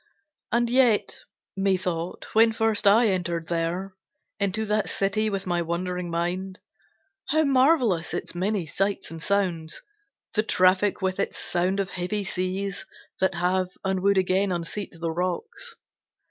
And yet, methought, when first I entered there, Into that city with my wondering mind, How marvellous its many sights and sounds; The traffic with its sound of heavy seas That have and would again unseat the rocks.